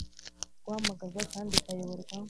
Gahamagarwa kandi kayoborwa